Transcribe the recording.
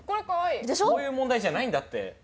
そういう問題じゃないんだって。